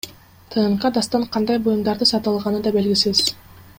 ТНК Дастан кандай буюмдарды сатып алганы да белгисиз.